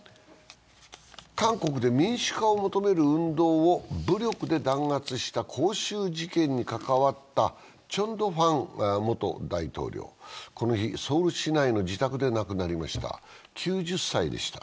韓国で民主化を求める運動を武力で弾圧した光州事件に関わったチョン・ドファン元大統領、この日、ソウル市内の自宅で亡くなりました、９０歳でした。